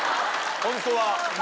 ホントは。